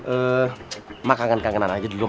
emak kangen kangenan aja dulu emak